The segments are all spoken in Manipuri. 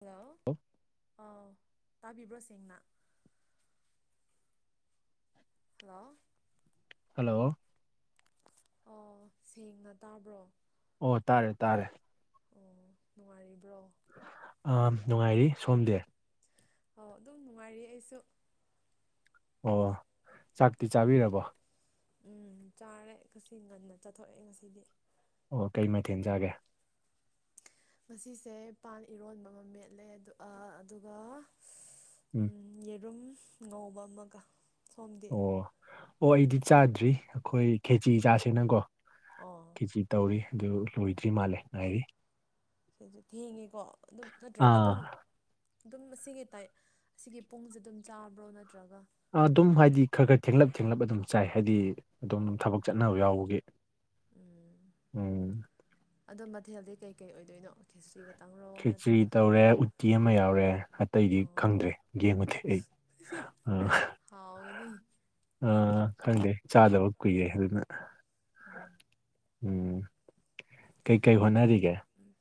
ꯍꯜꯂꯣ ꯑ ꯇꯥꯕꯤꯕ꯭ꯔꯣ ꯁꯦꯡꯅ ꯍꯜꯂꯣ ꯍꯂꯣ ꯑꯣ ꯁꯦꯡꯅ ꯇꯥꯕ꯭ꯔꯣ ꯑꯣ ꯇꯥꯔꯦ ꯇꯥꯔꯦ ꯑꯣ ꯅꯨꯡꯉꯥꯏꯔꯤꯕ꯭ꯔꯣ ꯑ ꯅꯨꯡꯉꯥꯏꯔꯤ ꯁꯣꯝꯗꯦ ꯑꯣ ꯑꯗꯨꯝ ꯅꯨꯡꯉꯥꯏꯔꯤ ꯑꯩꯁꯨ ꯑꯣ ꯆꯥꯛꯇꯤ ꯆꯥꯕꯤꯔꯕꯣ ꯎꯝ ꯆꯥꯔꯦ ꯉꯁꯤ ꯉꯟꯅ ꯆꯠꯊꯣꯛꯑꯦ ꯉꯁꯤꯗꯤ ꯑꯣ ꯀꯩ ꯃꯥꯏꯊꯦꯟꯖꯥꯒꯦ ꯃꯁꯤꯁꯦ ꯄꯥꯟ ꯏꯔꯣꯟꯕ ꯑꯃ ꯃꯦꯠꯂꯦ ꯑꯗꯨꯒ ꯎꯝ ꯌꯦꯔꯨꯝ ꯉꯧꯕ ꯑꯃꯒ ꯁꯣꯝꯗꯤ ꯑꯣ ꯑꯣ ꯑꯩꯗꯤ ꯆꯥꯗ꯭ꯔꯤ ꯑꯩꯈꯣꯏ ꯈꯦꯆ ꯆꯥꯁꯦꯅꯀꯣ ꯑꯣ ꯈꯦꯆ ꯇꯧꯔꯤ ꯑꯗꯨ ꯂꯣꯏꯗ꯭ꯔꯤ ꯃꯥꯜꯂꯦ ꯉꯥꯏꯔꯤ ꯁꯤꯁꯨ ꯊꯦꯡꯉꯦꯀꯣ ꯑꯗꯨꯝ ꯅꯠꯇ꯭ꯔꯒ ꯑꯥ ꯑꯗꯨꯝ ꯑꯗꯨꯝ ꯑꯁꯤꯒꯤ ꯇꯥꯏꯞ ꯑꯁꯤꯒꯤ ꯄꯨꯡꯁꯦ ꯑꯗꯨꯝ ꯆꯥꯕ꯭ꯔꯣ ꯅꯠꯇ꯭ꯔꯒ ꯑꯗꯨꯝ ꯍꯥꯏꯗꯤ ꯈꯔ ꯈꯔ ꯊꯦꯡꯂꯞ ꯊꯦꯡꯂꯞ ꯑꯗꯨꯝ ꯆꯥꯏ ꯍꯥꯏꯗꯤ ꯑꯗꯨꯝ ꯎꯝ ꯊꯕꯛ ꯆꯠꯅꯕ ꯌꯥꯎꯕꯒꯤ ꯎꯝ ꯎꯝ ꯑꯗꯣ ꯃꯊꯦꯜꯗꯤ ꯀꯩ ꯀꯩ ꯑꯣꯏꯗꯣꯏꯅꯣ ꯈꯦꯁꯇ꯭ꯔꯤꯒ ꯈꯦꯆꯔꯤ ꯇꯧꯔꯦ ꯎꯇꯤ ꯑꯃ ꯌꯥꯎꯔꯦ ꯑꯇꯩꯗꯤ ꯈꯪꯗ꯭ꯔꯦ ꯌꯦꯡꯉꯨꯗꯦ ꯑꯩ ꯍꯥꯎ ꯑ ꯈꯪꯗꯦ ꯆꯥꯗꯕ ꯀꯨꯏꯔꯦ ꯑꯗꯨꯅ ꯎꯝ ꯎꯝ ꯀꯩꯀꯩ ꯍꯣꯠꯅꯔꯤꯒꯦ ꯎꯝ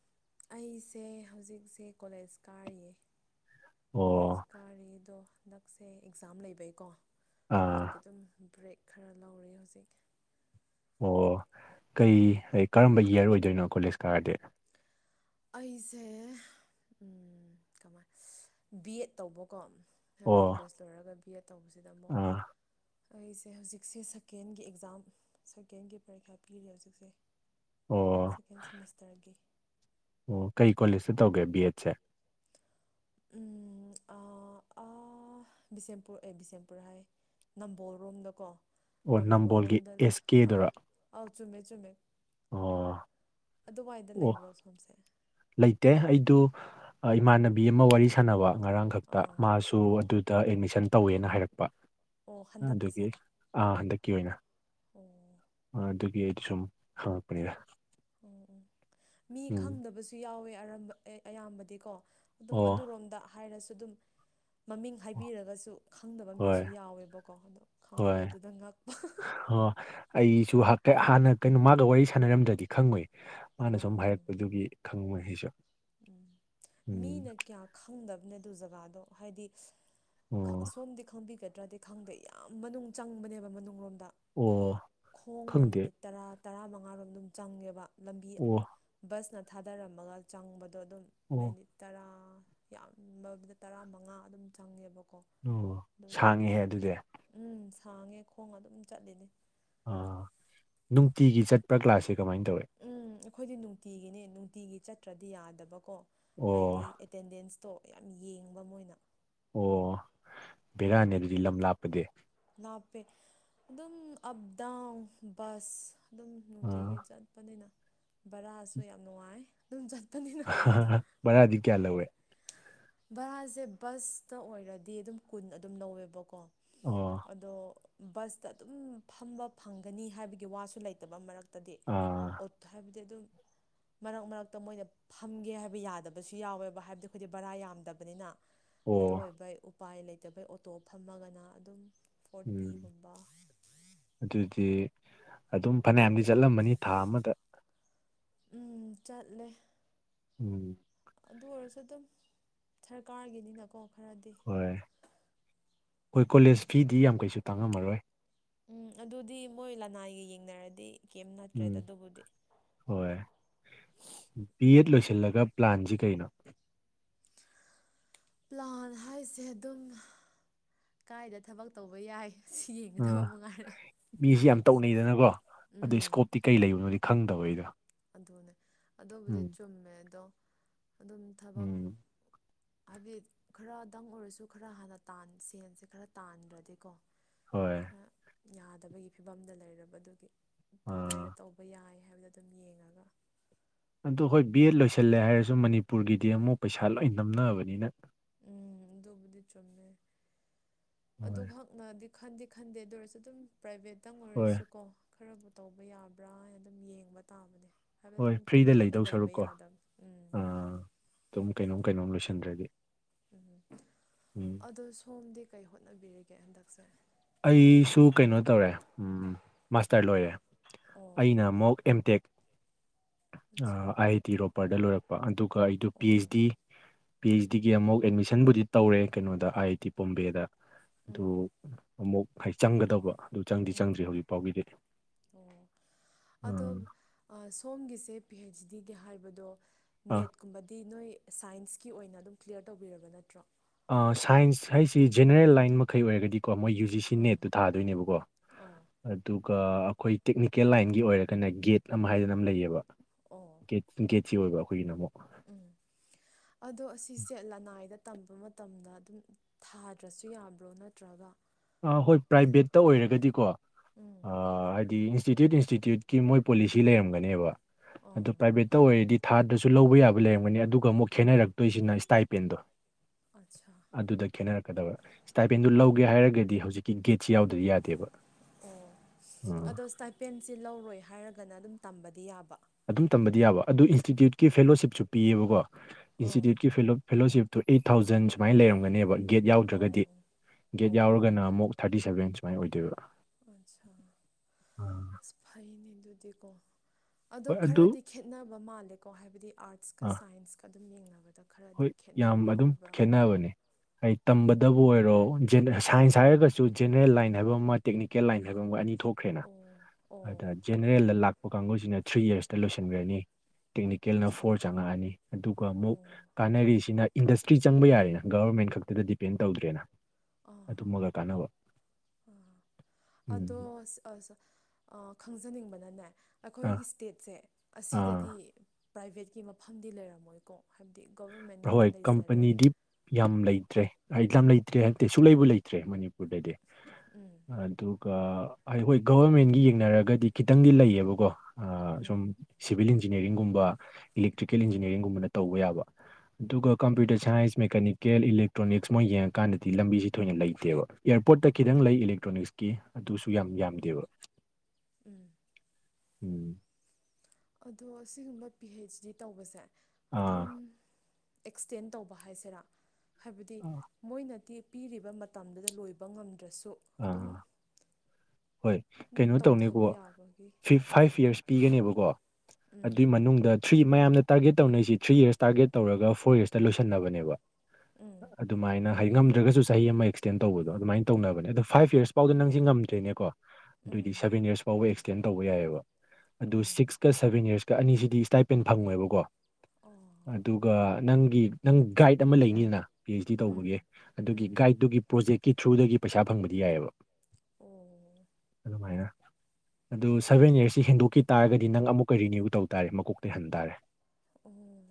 ꯑꯩꯁꯦ ꯍꯧꯖꯤꯛꯁꯦ ꯀꯣꯂꯦꯖ ꯀꯥꯔꯤꯌꯦ ꯑꯣ ꯀꯣꯂꯦꯖ ꯀꯔꯤꯗꯣ ꯍꯟꯗꯛꯁꯦ ꯑꯦꯛꯖꯥꯝ ꯂꯩꯕꯩꯀꯣ ꯑꯥ ꯑꯗꯨꯒꯤ ꯑꯗꯨꯝ ꯕ꯭ꯔꯦꯛ ꯈꯔ ꯂꯧꯔꯤ ꯍꯧꯖꯤꯛ ꯑꯣ ꯀꯩ ꯀꯔꯝꯕ ꯏꯌꯥꯔ ꯑꯣꯏꯗꯣꯏꯅꯣ ꯀꯣꯂꯦꯖ ꯀꯥꯔꯗꯤ ꯑꯩꯁꯦ ꯀꯃꯥꯏꯅ ꯕꯤ ꯑꯦꯠ ꯇꯧꯕꯀꯣ ꯑꯥꯏ ꯕꯤ ꯑꯣ ꯀꯣꯂꯦꯖ ꯂꯣꯏꯔꯒ ꯕꯤ ꯑꯦꯠ ꯇꯧꯕꯁꯤꯗ ꯑꯃꯨꯛ ꯑꯥ ꯑꯩꯁꯦ ꯍꯧꯖꯤꯛꯁꯦ ꯁꯀꯦꯟꯒꯤ ꯑꯦꯛꯖꯥꯝ ꯁꯀꯦꯟꯒꯤ ꯄꯔꯤꯈ꯭ꯌꯥ ꯄꯤꯔꯤ ꯍꯧꯖꯤꯛꯁꯦ ꯑꯣ ꯁꯦꯀꯦꯟ ꯁꯦꯃꯤꯁꯇꯔꯒꯤ ꯑꯣ ꯀꯩ ꯀꯣꯂꯦꯖꯇ ꯇꯧꯒꯦ ꯕꯤ ꯑꯦꯗꯁꯦ ꯎꯝ ꯑ ꯕꯤꯁꯦꯝꯄꯨꯔ ꯑꯦ ꯕꯤꯁꯦꯝꯄꯨꯔ ꯍꯥꯏ ꯅꯝꯕꯣꯜ ꯔꯣꯝꯗꯀꯣ ꯑꯣ ꯅꯝꯕꯣꯜꯒꯤ ꯑꯦꯁ ꯀꯦꯗꯨꯔ ꯑꯧ ꯆꯨꯝꯃꯦ ꯆꯨꯝꯃꯦ ꯑꯗꯨꯋꯥꯏꯗ ꯂꯩꯕ꯭ꯔꯣ ꯁꯣꯝꯁꯦ ꯗꯦ ꯑꯩꯗꯨ ꯏꯃꯥꯟꯅꯕꯤ ꯑꯃ ꯋꯥꯔꯤ ꯁꯥꯟꯅꯕ ꯉꯔꯥꯡ ꯈꯛꯇ ꯑꯥ ꯃꯥꯁꯨ ꯑꯧ ꯑꯗꯨꯗ ꯑꯦꯗꯃꯤꯁꯟ ꯇꯧꯋꯦꯅ ꯍꯥꯏꯔꯛꯄ ꯑꯣ ꯍꯟꯗꯛꯀꯤꯁꯦ ꯑꯗꯨꯒꯤ ꯑꯣ ꯍꯟꯗꯛꯀꯤ ꯑꯣꯏꯅ ꯎꯝ ꯑꯗꯨꯒꯤ ꯑꯩꯗꯤ ꯁꯨꯝ ꯍꯥꯄꯅꯤꯔꯦ ꯎꯝ ꯃꯤ ꯈꯪꯗꯕꯁꯨ ꯌꯥꯎꯋꯦ ꯑꯌꯥꯝꯕꯗꯤꯀꯣ ꯑꯗꯨꯝ ꯑꯣ ꯑꯗꯨꯔꯣꯝꯗ ꯍꯥꯏꯔꯁꯨ ꯁꯨꯗꯨꯨꯝ ꯃꯃꯤꯡ ꯍꯥꯏꯕꯤꯔꯒꯁꯨ ꯈꯪꯗꯕ ꯃꯤꯁꯨ ꯍꯣꯏ ꯌꯥꯎꯋꯦꯕꯀꯣ ꯑꯗꯣ ꯈꯪꯉꯝꯕꯗꯨꯗ ꯉꯛꯄ ꯑꯩ ꯍꯥꯟꯅ ꯀꯩꯅꯣ ꯃꯥꯒ ꯋꯥꯔꯤ ꯁꯥꯟꯅꯔꯝꯗ꯭ꯔꯗꯤ ꯈꯪꯉꯣꯏ ꯃꯥꯅ ꯑꯣ ꯁꯨꯝ ꯍꯥꯏꯔꯛꯄꯗꯨꯒꯤ ꯈꯪꯉꯣꯏ ꯍꯥꯏꯁꯦ ꯎꯝ ꯃꯤꯅ ꯀꯌꯥ ꯈꯪꯗꯕꯅꯦ ꯑꯗꯨ ꯖꯒꯥꯗꯣ ꯍꯥꯏꯗꯤ ꯑꯣ ꯁꯣꯝꯗꯤ ꯈꯪꯕꯤꯒꯗ꯭ꯔꯗꯤ ꯈꯪꯗꯦ ꯌꯥꯝ ꯃꯅꯨꯡ ꯆꯪꯕꯅꯦꯕ ꯃꯅꯨꯡꯣꯝꯗ ꯑꯣ ꯈꯪꯗꯦ ꯇꯔꯥ ꯇꯔꯥꯃꯉꯥꯔꯣꯝ ꯑꯗꯨꯝ ꯆꯪꯉꯦꯕ ꯂꯝꯕꯤ ꯑꯣ ꯕꯁꯅ ꯊꯥꯗꯔꯝꯃꯒ ꯆꯪꯕꯗ ꯑꯗꯣ ꯑꯗꯨꯝ ꯑꯣ ꯃꯤꯅꯤꯠ ꯇꯔꯥ ꯌꯥꯝꯕꯗ ꯇꯔꯥꯃꯉꯥ ꯑꯗꯨꯝ ꯆꯪꯉꯦꯕꯀꯣ ꯑꯣ ꯑꯗꯨꯒꯤ ꯑꯗꯨꯝ ꯁꯥꯡꯉꯤꯍꯦ ꯑꯗꯨꯗꯤ ꯎꯝ ꯁꯥꯡꯉꯦ ꯈꯣꯡ ꯑꯗꯨꯝ ꯆꯠꯂꯤꯅꯤ ꯑꯥ ꯅꯨꯡꯇꯤꯒꯤ ꯆꯠꯄ꯭ꯔꯥ ꯀ꯭ꯂꯥꯁꯥꯁꯦ ꯀꯃꯥꯏꯅ ꯇꯧꯦ ꯎꯝ ꯑꯩꯈꯣꯏꯗꯤ ꯅꯨꯡꯇꯤꯒꯤꯅꯦ ꯅꯨꯡꯇꯤꯒꯤ ꯆꯠꯇ꯭ꯔꯗꯤ ꯌꯥꯗꯕ ꯀꯣ ꯑꯣ ꯍꯥꯏꯗꯤ ꯑꯦꯇꯦꯟꯗꯦꯟꯁꯇꯣ ꯌꯥꯝ ꯌꯦꯡꯕ ꯃꯣꯏꯅ ꯑꯣ ꯕꯕꯤꯔꯥꯅꯤ ꯑꯗꯨꯗꯤ ꯂꯝ ꯂꯥꯞꯄꯗꯤ ꯅꯥꯞꯄꯦ ꯑꯗꯨꯝ ꯑꯞ ꯗꯥꯎꯟ ꯕꯁ ꯑꯗꯨꯝ ꯑꯥ ꯅꯨꯡꯇꯤꯒꯤ ꯆꯠꯄꯅꯤꯅ ꯕꯔꯥꯁꯨ ꯌꯥꯝ ꯅꯨꯡꯉꯥꯏ ꯑꯗꯨꯝ ꯆꯠ ꯃꯔꯗꯤ ꯀꯌꯥ ꯂꯧꯧꯋꯦ ꯚꯔꯥꯁꯦ ꯕꯁꯇ ꯑꯣꯏꯔꯗꯤ ꯑꯗꯨꯝ ꯀꯨꯟ ꯑꯗꯨꯝ ꯂꯧꯋꯦꯕꯀꯣ ꯑꯣ ꯑꯗꯣ ꯕꯁꯇ ꯑꯗꯨꯝ ꯐꯝꯕ ꯐꯪꯒꯅꯤ ꯍꯥꯏꯕꯒꯤ ꯋꯥꯁꯨ ꯂꯩꯇꯕ ꯃꯔꯛꯇ ꯇꯗꯤ ꯑꯥ ꯑꯣꯠꯇ ꯍꯥꯏꯕꯗꯤ ꯑꯗꯨꯝ ꯃꯔꯛ ꯃꯔꯛꯇ ꯃꯣꯏꯅ ꯐꯝꯒꯦ ꯍꯥꯏꯕ ꯌꯥꯗꯕꯁꯨ ꯌꯥꯎꯋꯦꯕ ꯍꯥꯏꯕꯗꯤ ꯑꯩꯈꯣꯏꯗꯤ ꯕꯔꯥ ꯌꯥꯝ ꯄꯥꯝꯗꯕꯅꯤꯅ ꯑꯗꯨ ꯑꯣ ꯑꯣꯏꯕ ꯎꯄꯥꯏ ꯂꯩꯇꯕꯩ ꯑꯣꯇꯣ ꯐꯝꯃꯒꯅ ꯑꯗꯨꯝ ꯎꯝ ꯐꯣꯔꯇꯤꯒꯨꯝꯕ ꯑꯗꯨꯗꯤ ꯑꯗꯨꯝ ꯐꯅꯌꯥꯝꯗꯤ ꯆꯠꯂꯝꯕꯅꯤ ꯊꯥ ꯑꯃꯗ ꯎꯝ ꯆꯠꯂꯦ ꯎꯝ ꯑꯗꯨ ꯑꯣꯏꯔꯁꯨ ꯑꯗꯨꯝ ꯁꯔꯀꯥꯔꯒꯤꯅꯤꯅꯀꯣ ꯈꯔꯗꯤ ꯍꯣꯏ ꯍꯣꯏ ꯀꯣꯂꯦꯖ ꯐꯤꯗꯤ ꯌꯥꯝ ꯀꯩꯁꯨ ꯇꯥꯡꯉꯝꯃꯔꯣꯏ ꯎꯝ ꯑꯗꯨꯗꯤ ꯃꯣꯏ ꯂꯅꯥꯏꯒ ꯌꯦꯡꯅꯔꯗꯤ ꯀꯩꯝ ꯎꯝ ꯅꯠꯇ꯭ꯔꯦꯗ ꯑꯗꯨꯕꯨꯗꯤ ꯍꯣꯏ ꯕꯤ ꯑꯦꯠ ꯂꯣꯏꯁꯤ ꯁꯤꯜꯂꯒ ꯄ꯭ꯂꯥꯟꯁꯤ ꯀꯩꯅꯣ ꯄ꯭ꯂꯥꯟ ꯍꯥꯏꯁꯦ ꯑꯗꯨꯝ ꯀꯥꯏꯗ ꯊꯕꯛ ꯇꯧꯕ ꯌꯥꯏ ꯁꯤ ꯌꯦꯡꯒꯗꯕ ꯎꯥ ꯃꯉꯥꯏꯔꯦ ꯃꯤꯁꯤ ꯌꯥꯝ ꯇꯧꯅꯩꯗꯅꯀꯣ ꯑꯗꯨ ꯎꯝ ꯏꯁꯀꯣꯞꯇꯤ ꯀꯩ ꯂꯩꯕꯅꯣ ꯈꯪꯗꯕꯩꯗ ꯑꯗꯨꯅꯦ ꯑꯗꯨꯕꯨꯗꯤ ꯆꯨꯝꯃꯦ ꯑꯗꯣ ꯑꯗꯨꯝ ꯊꯕꯛ ꯎꯝ ꯍꯥꯏꯕꯗꯤ ꯈꯔꯗꯪ ꯑꯣꯏꯔꯁꯨ ꯈꯔ ꯍꯥꯟꯅ ꯁꯦꯟꯁꯦ ꯈꯔ ꯇꯥꯟꯗ꯭ꯔꯗꯤꯀꯣ ꯍꯣꯏ ꯈꯔ ꯌꯥꯗꯕꯒꯤ ꯐꯤꯕꯝꯗ ꯂꯩꯔꯕ ꯑꯗꯨꯒꯤ ꯑꯥ ꯀꯗꯥꯏꯗ ꯇꯧꯕ ꯌꯥꯏ ꯍꯥꯏꯕꯗꯣ ꯑꯗꯨꯝ ꯌꯦꯡꯉ ꯑꯗꯨ ꯍꯣꯏ ꯕꯤ ꯑꯦꯗ ꯂꯣꯏꯁꯤꯜꯂꯦ ꯍꯥꯏꯔꯁꯨ ꯃꯅꯤꯄꯨꯔꯒꯤꯗꯤ ꯑꯃꯨꯛ ꯄꯩꯁꯥ ꯂꯣꯏ ꯅꯝꯅꯕꯅꯤꯅ ꯎꯝ ꯑꯗꯨꯕꯗꯤ ꯆꯨꯝꯃꯦ ꯍꯣꯏ ꯑꯗꯨꯅ ꯈꯟꯗꯤꯦ ꯈꯟꯗꯦ ꯑꯗꯨ ꯑꯣꯏꯔꯁꯨ ꯑꯗꯨꯝ ꯄ꯭ꯔꯥꯏꯚꯦꯠꯇꯪ ꯍꯣꯏ ꯑꯣꯏꯔꯁꯨꯀꯣ ꯈꯔꯕꯨ ꯇꯧꯕ ꯌꯥꯕ꯭ꯔꯥ ꯍꯥꯏꯅ ꯑꯗꯨꯝ ꯌꯦꯡꯕ ꯇꯥꯕꯅꯦ ꯍꯥꯏꯕꯗꯤ ꯍꯣꯏ ꯑꯗꯨꯝ ꯐ꯭ꯔꯤꯗ ꯇꯨꯃꯤꯟꯅꯗꯤ ꯂꯩꯗꯧ ꯂꯩꯕ ꯁꯔꯨꯛꯀꯣ ꯌꯥꯗꯕꯅꯤ ꯎꯝ ꯑꯗꯨꯝ ꯀꯩꯅꯣꯝ ꯀꯩꯅꯣꯝ ꯂꯣꯏꯁꯟꯗ꯭ꯔꯗꯤ ꯎꯝ ꯑꯗꯣ ꯁꯣꯝꯗꯤ ꯀꯩ ꯍꯣꯠꯅꯕꯤꯔꯤꯒꯦ ꯍꯟꯗꯛꯁꯦ ꯑꯩꯁꯨ ꯀꯩꯅꯣ ꯇꯧꯔꯦ ꯎꯝ ꯃꯥꯁꯇꯔ ꯂꯣꯏꯔꯦ ꯑꯣ ꯑꯩꯅ ꯑꯃꯨꯛ ꯑꯦꯝ ꯇꯦꯛ ꯑꯠꯆꯥ ꯑꯥꯏ ꯑ ꯇꯤ ꯔꯣꯄꯔꯗ ꯂꯣꯏꯔꯛꯄ ꯑꯗꯨꯒ ꯑꯩꯗꯨ ꯄꯤ ꯑꯣ ꯑꯩꯆ ꯗꯤ ꯄꯤ ꯑꯩꯆ ꯗꯤꯒꯤ ꯑꯃꯨꯛ ꯑꯦꯗꯃꯤꯁꯟꯕꯨꯗꯤ ꯇꯧꯔꯦ ꯀꯩꯅꯣꯗ ꯑꯥꯏ ꯑꯥꯏ ꯇꯤ ꯄꯣꯝꯕꯦꯗ ꯑꯗꯨ ꯎꯝ ꯑꯃꯨꯛ ꯍꯥꯏ ꯆꯪꯒꯗꯕ ꯑꯗꯨ ꯆꯪꯗꯤ ꯎꯝ ꯆꯪꯗ꯭ꯔꯤ ꯍꯧꯖꯤꯛ ꯐꯥꯎꯕꯤꯔꯛ ꯑꯣ ꯑꯗꯣ ꯁꯣꯝꯒꯤꯁꯦ ꯄꯤ ꯑꯩꯩꯆ ꯗꯤ ꯀꯦ ꯍꯥꯏꯕꯗꯣ ꯑꯥ ꯅꯦꯠꯀꯨꯝꯕꯗꯤ ꯅꯣꯏ ꯁꯥꯏꯟꯁꯀꯤ ꯑꯣꯏꯅ ꯑꯗꯨꯝ ꯀ꯭ꯂꯤꯌꯥꯌꯔ ꯇꯧꯕꯤꯔꯕ ꯅꯠꯇ꯭ꯔꯣ ꯁꯥꯏꯟꯁ ꯍꯥꯏꯁꯤ ꯖꯦꯅꯔꯦꯜ ꯂꯥꯏꯟ ꯃꯈꯩ ꯑꯣꯏꯔꯒꯗꯤ ꯀꯣ ꯃꯣꯏ ꯌꯨ ꯖꯤ ꯁꯤ ꯑꯥ ꯅꯦꯠꯇꯨ ꯊꯥꯗꯣꯏꯅꯦꯕꯀꯣ ꯑꯣ ꯑꯗꯨ ꯑꯩꯈꯣꯏ ꯇꯦꯛꯅꯤꯀꯦꯜ ꯂꯥꯏꯟꯒꯤ ꯑꯣꯏꯔꯒꯅ ꯒꯦꯠ ꯑꯃ ꯍꯥꯏꯗꯅ ꯑꯃ ꯂꯩꯌꯦꯕꯦꯠ ꯦꯠ ꯁꯤ ꯑꯣꯏꯕ ꯑꯩꯈꯣꯏꯒꯤꯅ ꯑꯃꯨ ꯎꯝ ꯑꯗꯣ ꯑꯁꯤꯁꯦ ꯂꯅꯥꯏꯗ ꯇꯝꯕ ꯃꯇꯝꯗ ꯑꯗꯨꯝ ꯊꯥꯗ꯭ꯔꯁꯨ ꯌꯥꯕ꯭ꯔꯣ ꯅꯠꯇ꯭ꯔꯒ ꯑ ꯍꯣꯏ ꯄ꯭ꯔꯥꯏꯚꯦꯠꯇ ꯑꯣꯏꯔꯒꯗꯤꯀꯣ ꯎꯝ ꯍꯥꯏꯗꯤ ꯏꯟꯁꯇꯤꯇ꯭ꯌꯨꯠ ꯏꯟꯁꯇꯤꯇ꯭ꯌꯨꯠꯀꯤ ꯃꯣꯏ ꯄꯣꯂꯤꯁꯤ ꯂꯩꯔꯝꯒꯅꯦꯕ ꯑꯣ ꯑꯗꯣ ꯄ꯭ꯔꯥꯏꯚꯦꯠꯇ ꯑꯣꯏꯔꯗꯤ ꯊꯥꯗꯁꯨ ꯂꯧꯕ ꯌꯥꯕ ꯂꯩꯔꯝꯒꯅꯤ ꯑꯗꯨꯒ ꯑꯃꯨꯛ ꯈꯦꯠꯅꯔꯛꯇꯣꯏꯁꯤꯅ ꯏꯁꯇꯥꯏꯄꯦꯟꯗꯣ ꯑꯠꯁꯥ ꯑꯗꯨꯗ ꯈꯦꯅꯔꯛꯀꯗꯕ ꯏꯁꯇꯥꯏꯄꯦꯟꯗꯨ ꯂꯧꯒꯦ ꯑꯣ ꯍꯥꯏꯔꯒ ꯍꯧꯖꯤꯛꯀꯤ ꯒꯦꯠꯁꯤ ꯌꯥꯎꯗ꯭ꯔꯗꯤ ꯌꯥꯗꯦꯕ ꯑꯣ ꯎꯝ ꯑꯗꯣ ꯏꯁꯇꯥꯏꯄꯦꯟꯁꯤ ꯂꯧꯔꯣꯏ ꯍꯥꯏꯔꯒꯅ ꯑꯗꯨꯝ ꯇꯝꯕꯗꯤ ꯌꯥꯕ ꯑꯗꯨꯝ ꯇꯝꯕꯗꯤ ꯌꯥꯕ ꯑꯗꯨ ꯏꯟꯁꯇꯤꯇ꯭ꯌꯨꯠꯀꯤ ꯐꯦꯂꯣꯁꯤꯞꯁꯨ ꯄꯤꯌꯦꯕꯀꯣ ꯑꯣ ꯏꯟꯁꯇꯤꯇ꯭ꯌꯨꯠꯀꯤ ꯐꯦꯂꯣꯁꯤꯞ ꯇꯨ ꯑꯩꯠ ꯊꯥꯎꯖꯟ ꯁꯨꯃꯥꯏꯅ ꯂꯩꯔꯝꯒꯅꯦꯕ ꯒꯦꯠ ꯌꯥꯎꯗ꯭ꯔꯒꯗꯤ ꯑꯣ ꯒꯦꯠ ꯑꯣ ꯌꯥꯎꯔꯒꯅ ꯑꯃꯨꯛ ꯊꯥꯔꯇꯤ ꯁꯕꯦꯟ ꯁꯨꯃꯥꯏꯅ ꯑꯣꯏꯗꯣꯏꯕ ꯑꯆꯥ ꯑꯥ ꯐꯥꯏꯅꯤꯗꯨꯗꯤ ꯀꯣ ꯑꯗꯣ ꯍꯣꯏ ꯑꯗꯨ ꯈꯔꯗꯤ ꯈꯦꯠꯅꯕ ꯃꯥꯜꯂꯦꯀꯣ ꯍꯥꯏꯕꯗꯤ ꯑꯥꯔꯠꯁꯀ ꯑꯥ ꯁꯥꯏꯟꯁꯀ ꯑꯗꯨꯝ ꯌꯦꯡꯅꯕꯗ ꯈꯔꯗꯤ ꯍꯣꯏ ꯌꯥꯝ ꯈꯦꯠꯅꯕ ꯑꯗꯨꯝ ꯑꯣꯏꯕ꯭ꯔꯥ ꯈꯦꯠꯅꯕꯅꯦ ꯍꯥꯏ ꯇꯝꯕꯗꯕꯨ ꯑꯣꯏꯔꯣ ꯁꯥꯏꯟꯁ ꯍꯥꯏꯔꯒꯁꯨ ꯖꯦꯅꯔꯦꯜ ꯂꯥꯏꯟ ꯍꯥꯏꯕ ꯑꯃ ꯇꯦꯛꯅꯤꯀꯦꯜ ꯂꯥꯏꯟ ꯍꯥꯏꯕ ꯑꯃ ꯑꯅꯤ ꯊꯣꯛꯈ꯭ꯔꯦꯅ ꯑꯣ ꯑꯣ ꯑꯗ ꯑꯣ ꯖꯦꯅꯔꯦꯜꯗ ꯂꯥꯛꯄ ꯀꯥꯡꯒꯁꯤꯅ ꯊ꯭ꯔꯤ ꯌꯔꯁꯇ ꯂꯣꯏꯁꯤꯟꯈ꯭ꯔꯅꯤ ꯇꯦꯛꯅꯤꯀꯦꯜꯅ ꯑꯠꯁꯥ ꯐꯣꯔ ꯆꯪꯉꯛꯑꯅꯤ ꯑꯗꯨꯒ ꯑꯃꯨꯛ ꯑꯣ ꯁꯤꯅ ꯏꯟꯗꯁꯇ꯭ꯔꯤ ꯆꯪꯕ ꯌꯥꯔꯦꯅ ꯒꯕꯔꯃꯦꯟ ꯈꯛꯇꯗ ꯗꯤꯄꯦꯟ ꯇꯧꯗ꯭ꯔꯦꯅ ꯑꯥ ꯑꯗꯨꯃꯒ ꯀꯥꯟꯅꯕ ꯎꯝ ꯑꯗꯣ ꯁ- ꯑ- ꯁ- ꯈꯪꯖꯅꯤꯡꯕꯅꯅꯦ ꯑꯥ ꯑꯩꯈꯣꯏꯒꯤ ꯏꯁꯇꯦꯠꯁꯦ ꯑꯥ ꯑꯁꯤꯗꯗꯤ ꯄ꯭ꯔꯥꯏꯕꯦꯠꯀꯤ ꯃꯐꯝꯗꯤ ꯂꯩꯔꯝꯃꯣꯏꯀꯣ ꯒꯣꯕꯔꯃꯦꯟꯒꯤꯅ ꯍꯣꯏ ꯂꯩꯖꯔꯦ ꯀꯝꯄꯅꯤꯗꯤ ꯌꯥꯝ ꯂꯩꯇ꯭ꯔꯦ ꯍꯥꯏꯗꯤ ꯌꯥꯝ ꯂꯩꯇ꯭ꯔꯦ ꯍꯥꯏꯠꯇꯦ ꯁꯨꯛꯂꯩꯕ ꯂꯩꯇ꯭ꯔꯦ ꯃꯅꯤꯄꯨꯔ ꯦ ꯑꯗꯨ ꯑꯩꯈꯣꯏ ꯒꯕꯔꯃꯦꯟꯒꯤ ꯌꯦꯡꯅꯔꯒꯗꯤ ꯈꯤꯇꯪꯗꯤ ꯂꯩꯌꯦꯕꯀꯣ ꯁꯨꯝ ꯎꯝ ꯁꯤꯚꯤꯜ ꯏꯟꯖꯤꯅꯤꯌꯥꯔꯤꯡꯒꯨꯝꯕ ꯏꯂꯦꯛꯇ꯭ꯔꯤꯀꯦꯜ ꯏꯟꯖꯤꯅꯤꯌꯥꯔꯤꯡꯒꯨꯝꯕꯅ ꯇꯧꯕ ꯌꯥꯕ ꯑꯗꯨꯒ ꯀꯝꯄ꯭ꯌꯨꯇꯔ ꯁꯥꯏꯟꯁ ꯃꯦꯀꯥꯅꯤꯀꯦꯜ ꯏꯂꯦꯛꯇ꯭ꯔꯣꯅꯤꯛꯁ ꯃꯣꯏ ꯌꯦꯡꯉꯀꯥꯟꯗꯗꯤ ꯂꯝꯕꯤꯁꯤ ꯊꯣꯏꯅ ꯂꯩꯇꯦꯕ ꯏꯌꯥꯔꯄꯣꯔꯠꯇ ꯈꯤꯇꯪ ꯂꯩ ꯏꯂꯦꯛꯇ꯭ꯔꯣꯅꯤꯛꯁꯀꯤ ꯑꯗꯨꯁꯨ ꯑꯣ ꯌꯥꯝ ꯌꯥꯝꯗꯦꯕ ꯎꯝ ꯎꯝ ꯑꯗꯣ ꯁꯤꯒꯨꯝꯕ ꯄꯤ ꯍꯩꯆ ꯗꯤ ꯇꯧꯕꯁꯦ ꯑꯥ ꯑꯗꯨꯝ ꯑꯦꯛꯁꯇꯦꯟ ꯇꯧꯕ ꯍꯥꯏꯁꯤꯔꯥ ꯍꯥꯏꯕꯗꯤ ꯃꯣꯏꯅꯗꯤ ꯄꯤꯔꯤꯕ ꯃꯇꯝꯗꯨꯗ ꯂꯣꯏꯕ ꯉꯝꯗ꯭ꯔꯁꯨ ꯑꯗꯨꯝ ꯑꯥ ꯍꯣꯏ ꯑꯗꯨꯝ ꯀꯩꯅꯣ ꯇꯧꯅꯤꯀꯣ ꯇꯧꯊꯕ ꯌꯥꯕꯒꯤ ꯐ ꯐꯥꯏꯚ ꯏꯌꯥꯔꯁ ꯄꯤꯒꯅꯦꯕꯀꯣ ꯎꯝ ꯑꯗꯨꯏ ꯃꯅꯨꯡꯗ ꯊ꯭ꯔꯤ ꯃꯌꯥꯝꯅ ꯇꯥꯔꯒꯦꯠ ꯇꯧꯅꯔꯤꯁꯤ ꯊ꯭ꯔꯤ ꯌꯔꯁ ꯇꯥꯔꯒꯦꯠ ꯇꯧꯔꯒ ꯐꯣꯔ ꯌꯔꯁꯇ ꯂꯣꯏꯁꯟꯅꯕꯅꯦꯕ ꯎꯝ ꯑꯗꯨꯃꯥꯏꯅ ꯍꯥꯏ ꯉꯝꯗ꯭ꯔꯒꯁꯨ ꯆꯍꯤ ꯑꯃ ꯑꯦꯛꯁꯇꯦꯟ ꯇꯧꯕꯗꯣ ꯑꯗꯨꯃꯥꯏꯅ ꯇꯧꯅꯕꯅꯦ ꯑ ꯐꯥꯏꯞ ꯌꯔꯁ ꯐꯥꯎꯗ ꯅꯪꯁꯦ ꯉꯝꯗ꯭ꯔꯦꯅꯦꯀꯣ ꯎꯝ ꯑꯗꯨꯑꯣꯏꯗꯤ ꯁꯕꯦꯟ ꯌꯔꯁ ꯐꯥꯎꯕ ꯑꯦꯛꯁꯇꯦꯟ ꯇꯧꯕ ꯌꯥꯏꯑꯕ ꯑꯣ ꯑꯗꯨ ꯁꯤꯛꯁꯀ ꯁꯚꯦꯟ ꯌꯔꯁꯀ ꯑꯅꯤꯁꯤꯗꯤ ꯏꯁꯇꯥꯏꯄꯦꯟ ꯐꯪꯉꯣꯏꯦꯕꯀꯣ ꯑꯣ ꯑꯗꯨꯒ ꯅꯪꯒꯤ ꯅꯪ ꯒꯥꯏꯠ ꯑꯃ ꯂꯩꯅꯤꯅ ꯄꯤ ꯑꯩꯆ ꯗꯤ ꯎꯝ ꯇꯧꯕꯒꯤ ꯑꯗꯨꯒꯤ ꯎꯝ ꯒꯥꯏꯗꯠꯇꯨꯒꯤ ꯄ꯭ꯔꯣꯖꯦꯛꯀꯤ ꯊ꯭ꯔꯨꯗꯒꯤ ꯄꯩꯁꯥ ꯐꯪꯕꯗꯤ ꯌꯥꯏꯑꯕ ꯑꯣ [inaudible] ꯑꯗꯨꯣ ꯁꯚꯦꯟ ꯌꯔꯁꯁꯤ ꯍꯦꯟꯗꯣꯛꯈꯤ ꯇꯥꯔꯒꯗꯤ ꯅꯪ ꯑꯃꯨꯛꯀ ꯔꯤꯅ꯭ꯌꯨ ꯇꯧ ꯇꯥꯔꯦ ꯃꯀꯣꯛꯇ ꯍꯍꯟ ꯇꯥꯔꯦ ꯑꯣ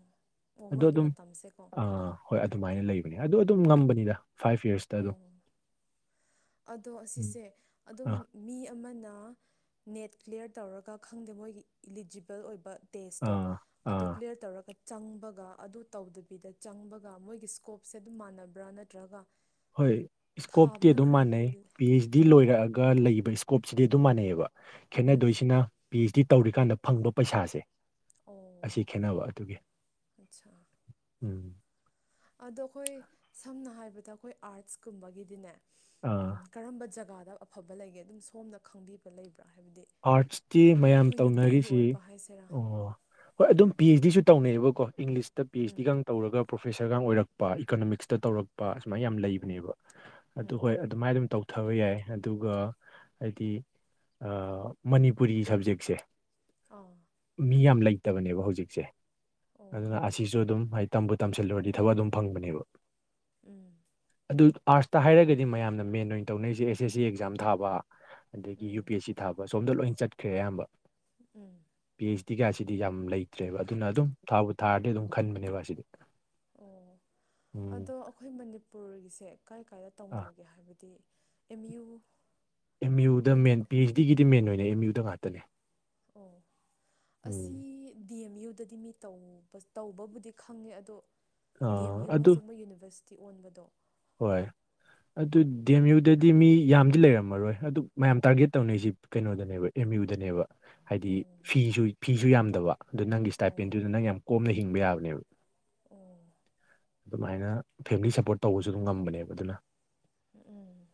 ꯑꯣ ꯃꯣꯏꯒꯤ ꯑꯗꯨꯝ ꯃꯇꯝꯁꯦꯀꯣ ꯑ ꯍꯣꯏ ꯑꯗꯨꯃꯥꯏꯅ ꯂꯩꯕ ꯑꯗꯨ ꯑꯗꯨꯝ ꯉꯝꯕꯅꯤꯗ ꯐꯥꯏꯚ ꯌꯔꯁꯇ ꯑꯗꯨꯝ ꯑꯣ ꯑꯗꯣ ꯎꯝ ꯑꯁꯤꯁꯦ ꯑꯗꯨꯝ ꯑꯥ ꯃꯤ ꯑꯃꯅ ꯅꯦꯠ ꯀ꯭ꯂꯤꯌꯥꯂꯤꯌꯥꯔ ꯇꯧꯔꯒ ꯈꯪꯗꯦ ꯃꯣꯏꯒꯤ ꯏꯂꯤꯖꯤꯕꯜ ꯑꯣꯏꯕ ꯇꯦꯁꯇꯣ ꯑꯥ ꯑꯗꯣ ꯑꯥ ꯀ꯭ꯂꯤꯌꯥꯔ ꯇꯧꯔꯒ ꯆꯪꯕꯒ ꯑꯗꯨ ꯇꯧꯗꯕꯤꯗ ꯆꯪꯕꯒ ꯃꯣꯏꯒꯤ ꯁ꯭ꯀꯣꯞꯁꯦ ꯑꯗꯨꯝ ꯃꯥꯟꯅꯕ꯭ꯔꯥ ꯅꯠꯇ꯭ꯔꯒ ꯍꯣꯏ ꯏꯁꯀꯣꯞꯇꯤ ꯊꯥꯕꯅ ꯑꯗꯨꯝ ꯈꯔ ꯃꯥꯟꯅꯩ ꯍꯦꯜꯂꯦ ꯄꯤ ꯑꯩꯆ ꯑꯣ ꯂꯣꯏꯔꯛꯑꯒ ꯂꯩꯕ ꯏꯁꯀꯣꯞꯁꯤꯗꯤ ꯑꯗꯨꯝ ꯃꯥꯟꯅꯩꯌꯦꯕ ꯎꯝ ꯈꯦꯠꯅꯗꯣꯏꯁꯤꯅ ꯄꯤ ꯑꯩꯆ ꯗꯤ ꯇꯧꯔꯤꯀꯥꯟꯗ ꯐꯪꯕ ꯄꯩꯁꯥꯁꯦ ꯑꯣ ꯑꯁꯤ ꯈꯦꯅꯕ ꯑꯗꯨꯒꯤ ꯑꯠꯆꯥ ꯎꯝ ꯗ ꯑꯩꯈꯣꯏ ꯑꯥꯔꯠꯁ ꯀꯨꯝꯕꯒꯤꯗꯤꯅꯦ ꯑꯥ ꯀꯔꯝꯕ ꯖꯒꯥꯗ ꯑꯐꯕ ꯂꯩꯒꯦ ꯑꯗꯨꯝ ꯁꯣꯝꯅ ꯈꯪꯕꯤꯕ ꯂꯩꯕ꯭ꯔꯥ ꯍꯥꯏꯕꯗꯤ ꯑꯥꯔꯠꯁꯇꯤ ꯑꯗꯨꯝ ꯃꯌꯥꯝ ꯑꯩꯈꯣꯏ ꯅꯨꯄꯤꯒꯤ ꯇꯧꯅꯔꯤꯁꯤ ꯑꯣꯏꯕ ꯍꯥꯏꯁꯤꯔꯥ ꯑꯣ ꯍꯣꯏ ꯑꯗꯨꯝ ꯄꯤ ꯑꯩꯆ ꯗꯤꯁꯨ ꯇꯧꯅꯦꯩꯕꯀꯣ ꯏꯪꯂꯤꯁꯇ ꯄꯤ ꯑꯩꯆ ꯗꯤꯒ ꯎꯝ ꯇꯧꯔꯒ ꯄ꯭ꯔꯣꯐꯦꯁꯔꯒ ꯑꯣꯏꯔꯛꯄ ꯏꯀꯅꯣꯃꯤꯛꯁꯇ ꯇꯧꯔꯛꯄ ꯁꯨꯃꯥꯏꯅ ꯌꯥꯝꯅ ꯎꯝ ꯂꯩꯕꯅꯦꯕ ꯑꯗꯨ ꯍꯣꯏ ꯎꯝ ꯑꯗꯨꯃꯥꯏꯅ ꯑꯗꯨꯝ ꯇꯧ ꯊꯕ ꯌꯥꯏ ꯑꯗꯨꯒ ꯍꯥꯏꯗꯤ ꯃꯅꯤꯄꯨꯔꯤ ꯁꯕꯖꯦꯛꯁꯦ ꯑ ꯃꯤ ꯌꯥꯝ ꯂꯩꯇꯕꯅꯦꯕ ꯍꯧꯖꯤꯛꯁꯦ ꯑꯣ ꯑꯗꯨꯅ ꯑꯁꯤꯁꯨ ꯑꯗꯨꯝ ꯍꯥꯏ ꯇꯝꯕꯨ ꯇꯝꯁꯤꯜꯂꯨꯔꯗꯤ ꯊꯕꯛ ꯑꯗꯨꯝ ꯐꯪꯕꯅꯦꯕ ꯎꯝ ꯑꯗꯨ ꯑꯥꯔꯠꯁꯇ ꯍꯥꯏꯔꯒꯗꯤ ꯃꯌꯥꯝꯅ ꯃꯦꯟ ꯑꯣꯏꯅ ꯇꯧꯅꯔꯤꯁꯦ ꯑꯦꯁ ꯑꯦꯁ ꯁꯤ ꯑꯦꯛꯖꯥꯝ ꯊꯥꯕ ꯑꯗꯒꯤ ꯌꯨ ꯄꯤ ꯎꯝ ꯑꯦꯁ ꯁꯤ ꯊꯥꯕ ꯁꯣꯝꯗ ꯂꯣꯏ ꯆꯠꯈ꯭ꯔꯦ ꯑꯌꯥꯝꯕ ꯎꯝ ꯀꯦꯁꯇꯤꯒꯁꯤꯗꯤ ꯌꯥꯝ ꯂꯩꯇ꯭ꯔꯦꯕ ꯑꯗꯨꯅ ꯑꯗꯨꯝ ꯊꯥꯎꯕꯨ ꯊꯥꯔꯗꯤ ꯑꯗꯨꯝ ꯈꯟꯕꯅꯦꯕ ꯑꯁꯤꯗꯤ ꯑꯣ ꯎꯝ ꯑꯗꯣ ꯑꯩꯈꯣꯏ ꯃꯅꯤꯄꯨꯔꯒꯤꯁꯦ ꯀꯥꯏ ꯀꯥꯏꯗ ꯑꯥ ꯇꯧꯅꯒꯦ ꯍꯥꯏꯕꯗꯤ ꯑꯦꯝ ꯌꯨ ꯑꯦꯝ ꯌꯨꯗ ꯍꯥꯏꯗꯤ ꯃꯦꯟ ꯄꯤ ꯑꯩꯆ ꯗꯤꯒꯤꯗꯤ ꯃꯦꯟ ꯑꯣꯏꯅ ꯑꯦꯝ ꯌꯨꯗ ꯉꯥꯛꯇꯅꯦ ꯑꯣ ꯎꯝ ꯑꯁꯤꯁꯤ ꯗꯤ ꯑꯦꯝ ꯌꯨꯗꯗꯤ ꯃꯤ ꯇꯧꯕ ꯇꯧꯕꯕꯨꯗꯤ ꯈꯪꯉꯦ ꯑꯗꯣ ꯗꯤ ꯑꯥ ꯑꯦꯝ ꯌꯨ ꯑꯗꯨ ꯍꯧꯖꯤꯛ ꯃꯣꯏ ꯌꯨꯅꯤꯕꯔꯁꯤꯤ ꯇꯤ ꯑꯣꯟꯕꯗꯣ ꯍꯣꯏ ꯑꯗꯨ ꯗꯤ ꯑꯦꯝ ꯌꯨꯗꯗꯤ ꯃꯤ ꯌꯥꯝꯗꯤ ꯂꯩꯔꯝꯃꯔꯣꯏ ꯑꯗꯨ ꯃꯌꯥꯝ ꯇꯥꯔꯒꯦꯠ ꯇꯧꯅꯩꯁꯤ ꯀꯩꯅꯣꯗꯅꯦꯕ ꯑꯦꯝ ꯨꯗꯅꯦꯕ ꯍꯥꯏꯗꯤ ꯑꯣ ꯐꯤ ꯐꯤꯁꯨ ꯌꯥꯝꯗꯕ ꯑꯗꯨ ꯅꯪꯒꯤ ꯑꯣ ꯏꯁꯇꯥꯏꯄꯦꯟꯗꯨꯗ ꯅꯪ ꯌꯥꯝ ꯀꯣꯝꯅ ꯆꯤꯡꯕ ꯌꯥꯕꯅꯦꯕ ꯑꯣ ꯑꯗꯨꯃꯥꯏꯅ ꯐꯦꯃꯤꯂꯤ ꯁꯞꯄꯣꯔꯠ ꯇꯧꯕꯁꯨ ꯑꯗꯨꯝ ꯉꯝꯕꯅꯦꯕ ꯑꯗꯨꯅ ꯎꯝ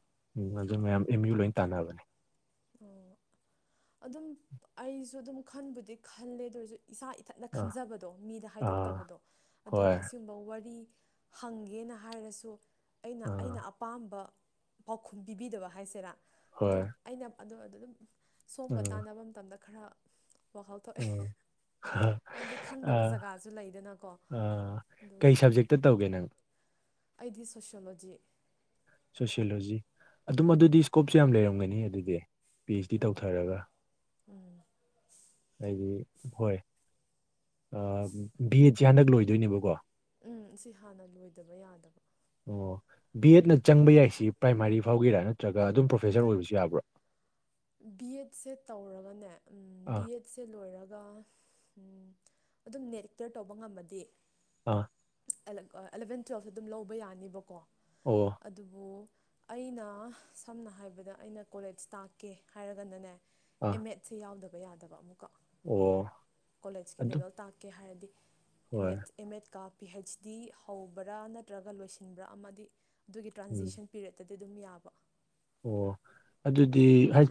ꯑꯗꯨ ꯃꯌꯥꯝ ꯑꯦꯝ ꯌꯨ ꯂꯣꯏꯅ ꯇꯥꯟꯅꯕꯅꯦ ꯑꯣ ꯑꯗꯨꯝ ꯑꯩꯁꯨ ꯑꯗꯨꯝ ꯈꯟꯕꯨꯗꯤ ꯈꯜꯂꯦ ꯑꯗꯨ ꯑꯣꯏꯔꯁꯨ ꯏꯁꯥ ꯏꯊꯠꯅ ꯑꯥ ꯈꯟꯖꯕꯗꯣ ꯃꯤꯗ ꯑꯥ ꯍꯥꯏꯗꯣꯛꯇꯕꯗꯣ ꯍꯣꯏ ꯑꯗꯨꯒ ꯑꯁꯤꯒꯨꯝꯕ ꯋꯥꯔꯤ ꯍꯪꯒꯦꯅ ꯍꯥꯏꯔꯁꯨ ꯑꯩꯅ ꯑꯥ ꯑꯩꯅ ꯑꯄꯥꯝꯕ ꯄꯥꯎꯈꯨꯝ ꯄꯤꯕꯤꯗꯕ ꯍꯥꯏꯁꯤꯔꯥ ꯍꯣꯏ ꯑꯗꯨꯝ ꯑꯩꯅ ꯑꯗꯨ ꯑꯗꯨ ꯑꯗꯨꯝ ꯁꯣꯝꯒ ꯎꯝ ꯇꯥꯟꯅꯕ ꯃꯇꯝꯗ ꯈꯔ ꯋꯥꯈꯜ ꯊꯣꯛꯑꯦ ꯑ ꯍꯥꯏꯕꯗꯤ ꯑ ꯈꯪꯗꯕ ꯖꯒꯥꯁꯨ ꯂꯩꯗꯅꯀꯣ ꯑꯥ ꯀꯩ ꯑꯗꯨꯒꯤ ꯁꯕꯖꯦꯛꯇ ꯇꯧꯒꯦ ꯅꯪ ꯑꯩꯗꯤ ꯁꯣꯁꯣꯂꯣꯖꯤ ꯁꯣꯁꯤꯌꯣꯂꯣꯖꯤ ꯑꯗꯨꯝ ꯑꯗꯨꯗꯤ ꯏꯁꯀꯣꯞꯁꯨ ꯌꯥꯝ ꯂꯩꯔꯝꯒꯅꯤ ꯑꯗꯨꯗꯤ ꯄꯤ ꯑꯩꯩꯆ ꯗꯤ ꯇꯧꯊꯔꯒ ꯑꯩꯗꯤ ꯍꯣꯏ ꯕꯤ ꯑꯦꯠꯁꯤꯦ ꯍꯟꯗꯛ ꯂꯣꯏꯗꯣꯏꯅꯦꯕꯀꯣ ꯎꯝ ꯁꯤ ꯍꯥꯟꯅ ꯂꯣꯏꯗꯕ ꯌꯥꯗꯕ ꯑꯣ ꯕꯤ ꯑꯦꯗꯅ ꯆꯪꯕ ꯌꯥꯏꯁꯤ ꯄ꯭ꯔꯥꯏꯃꯥꯔꯤ ꯐꯥꯎꯒꯤꯔꯅ ꯄ꯭ꯔꯣꯐꯦꯁꯔ ꯅꯠꯇꯦ ꯑꯣꯏꯕꯁꯨ ꯌꯥꯕ꯭ꯔꯥ ꯕꯤ ꯑꯦꯠꯁꯦ ꯇꯧꯔꯒꯅꯦ ꯕꯤ ꯑꯥ ꯑꯦꯠꯁꯦ ꯂꯣꯏꯔꯒ ꯎꯝ ꯑꯗꯨꯝ ꯅꯦꯠ ꯑꯦꯛꯇꯔ ꯇꯧꯕ ꯉꯝꯃꯗꯤ ꯑꯥ ꯑꯦꯂꯕꯦꯟ ꯇꯨꯋꯦꯜꯐꯇ ꯑꯗꯨꯝ ꯂꯧꯕ ꯌꯥꯅꯤꯕꯀꯣ ꯑꯣ ꯑꯗꯨꯕꯨ ꯑꯩꯅ ꯁꯝꯅ ꯍꯥꯏꯕꯗ ꯑꯩꯅ ꯀꯣꯂꯦꯖ ꯇꯥꯛꯀꯦ ꯍꯥꯏꯔꯒꯅꯅꯦ ꯑꯥ ꯑꯦꯝꯃꯦꯠꯁꯦ ꯌꯥꯎꯗꯕ ꯌꯥꯗꯕ ꯑꯃꯨꯛꯀ ꯑꯣ ꯀꯣꯂꯦꯖꯀꯤ ꯑꯗꯨ ꯂꯦꯚꯦꯜ ꯇꯥꯛꯀꯦ ꯍꯥꯏꯔꯗꯤ ꯑꯦꯝ ꯍꯣꯏ ꯑꯦꯠ ꯑꯦꯝ ꯑꯦꯠ ꯀꯥ ꯄꯤ ꯍꯩꯆ ꯗꯤ ꯍꯧꯕ꯭ꯔꯥ ꯅꯠꯇ꯭ꯔꯒ ꯂꯣꯏꯁꯤꯟꯕ꯭ꯔꯥ ꯑꯃꯗꯤ ꯑꯗꯨꯒꯤ ꯎꯝ ꯇ꯭ꯔꯥꯟꯖꯦꯛꯁꯟ ꯄꯤꯔꯠꯇꯗꯤ ꯇ ꯑꯗꯨꯝ ꯌꯥꯕ ꯑꯣ ꯑꯗꯨꯗꯤꯗꯤ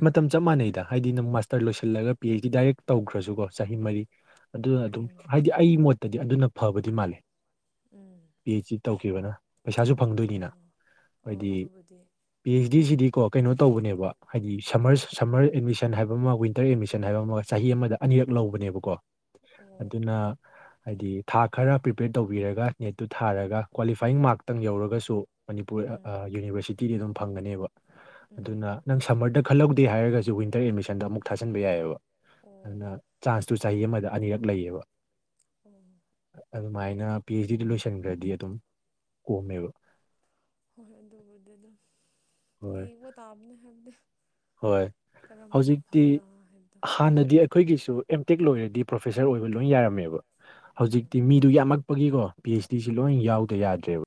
ꯃꯇꯝ ꯆꯞ ꯃꯥꯟꯅꯩꯗ ꯍꯥꯏꯗꯤ ꯅꯪ ꯃꯥꯁꯇꯔ ꯂꯣꯏꯁꯤꯜꯂꯒ ꯄꯤ ꯑꯩꯆ ꯗꯤ ꯗꯥꯏꯔꯦꯛ ꯇꯧꯈ꯭ꯔꯁꯨꯀꯣ ꯆꯍꯤ ꯃꯔꯤ [inaudible] ꯑꯗꯨꯅ ꯑꯗꯨꯝ ꯎꯝ ꯍꯥꯏꯗꯤ ꯑꯩ ꯃꯣꯠꯇꯗꯤ ꯑꯗꯨꯅ ꯐꯕꯗꯤ ꯃꯥꯜꯂꯦ ꯎꯝ ꯄꯤ ꯑꯩꯆ ꯁꯤ ꯇꯧꯈꯤꯕꯅ ꯄꯩꯁꯥꯁꯨ ꯐꯪꯗꯣꯏꯅꯤꯅ ꯑꯣ ꯑꯣ ꯍꯥꯏꯗꯤ ꯑꯗꯨꯕꯨꯗꯤ ꯄꯤ ꯑꯩꯆ ꯁꯤꯁꯤꯗꯤ ꯀꯣ ꯀꯩꯅꯣ ꯇꯧꯕꯅꯦꯕ ꯍꯥꯏꯗꯤ ꯁꯝꯃꯔ ꯁꯝꯃꯔ ꯑꯦꯗꯃꯤꯁꯟ ꯍꯥꯏꯕ ꯑꯃ ꯋꯤꯟꯇꯔ ꯑꯦꯗꯃꯤꯁꯟ ꯍꯥꯏꯕ ꯑꯃꯒ ꯆꯍꯤ ꯑꯃ ꯑꯃꯗ ꯑꯅꯤꯔꯛ ꯂꯧꯕꯅꯦꯕꯀꯣ ꯑꯣ ꯑꯗꯨꯅ ꯍꯥꯏꯗꯤ ꯊꯥ ꯈꯔ ꯄ꯭ꯔꯤꯄꯦꯔ ꯇꯧꯕꯤꯔꯒ ꯄ꯭ꯔꯤꯄꯦꯌꯔ ꯅꯦꯠꯇꯨ ꯊꯥꯔꯒ ꯇꯧꯕꯤꯔꯒ ꯀ꯭ꯋꯥꯂꯤꯐꯥꯏꯌꯤꯡ ꯃꯥꯔꯛꯇꯪ ꯑꯦꯛꯖꯥꯝ ꯊꯥꯔꯒ ꯌꯧꯔꯒꯁꯨ ꯃꯅꯤꯄꯨꯔ ꯀ꯭ꯋꯥꯂꯤꯐꯥꯏꯡ ꯃꯥꯔꯛꯇꯪ ꯌꯧꯔꯒꯁꯨ ꯎꯝ ꯌꯨꯅꯤꯕꯔꯁꯤꯇꯤꯗꯤ ꯑꯗꯨꯝ ꯐꯪꯒꯅꯦꯕ ꯎꯝ ꯅꯪ ꯁꯝꯃꯔꯗ ꯈꯜꯍꯧꯗꯦ ꯍꯥꯏꯔꯒꯁꯨ ꯋꯤꯟꯇꯔ ꯑꯦꯗꯃꯤꯁꯟꯗ ꯑꯗꯨꯅ ꯅꯪ ꯁꯝꯃꯔꯗ ꯑꯃꯨꯛ ꯈꯜꯍꯧꯗꯦ ꯊꯥꯖꯤꯟꯕ ꯍꯥꯏꯔꯒꯁꯨ ꯋꯤꯟꯇꯔ ꯑꯦꯗꯃꯤꯁꯟꯗ ꯑꯃꯨꯛ ꯊꯥꯖꯟꯕ ꯌꯥꯏꯑꯕ ꯌꯥꯏꯑꯕ ꯑꯣ ꯑꯗꯨꯅ ꯆꯥꯟꯁ ꯇꯨ ꯆꯍꯤ ꯑꯃꯗ ꯑꯅꯤꯔꯛ ꯂꯩꯌꯦꯕ ꯑꯣ ꯑꯗꯨꯃꯥꯏꯅ ꯄꯤ ꯑꯩꯆ ꯗꯤꯗ ꯂꯣꯏꯁꯤꯟꯈ꯭ꯔꯗꯤ ꯑꯗꯨꯝ ꯀꯣꯝꯃꯦꯕ ꯍꯣꯏ ꯍ ꯑꯗꯨꯣꯕꯨꯗꯗ ꯍꯣꯏ ꯌꯦꯕꯨ ꯇꯥꯕꯅꯦ ꯍꯥꯏꯕꯗꯤ ꯍꯣꯏ ꯀꯔꯝꯕꯅ ꯍꯧꯖꯤꯛꯇꯤ ꯐꯕ꯭ꯔꯥ ꯍꯥꯏꯕꯗꯣ ꯍꯥꯟꯅꯗꯤ ꯑꯩꯈꯣꯏꯒꯤꯁꯨ ꯑꯦꯝꯇꯦꯛ ꯂꯣꯏꯔꯗꯤ ꯄ꯭ꯔꯣꯐꯦꯁꯔ ꯑꯣꯏꯕ ꯂꯣꯏ ꯌꯥꯔꯝꯃꯦꯕ ꯎꯝ ꯍꯧꯖꯤꯛꯇꯤ ꯃꯤꯗꯨ ꯌꯥꯝꯃꯛꯄꯒꯤꯀꯣ ꯄꯤ ꯑꯩꯆ ꯗꯤꯁꯤ ꯎꯝ ꯂꯣꯏꯅ ꯌꯥꯎꯗ ꯌꯥꯗ꯭ꯔꯦꯕ